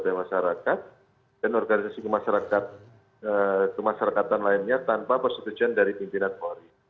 dari masyarakat dan organisasi kemasyarakatan lainnya tanpa persetujuan dari pimpinan polri